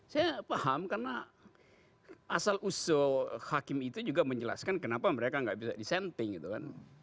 saya paham karena asal usul hakim itu juga menjelaskan kenapa mereka nggak bisa disenting gitu kan